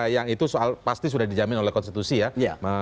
yang itu soal pasti sudah dijamin oleh konstitusi ya